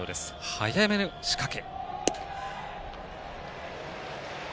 早めの仕掛け。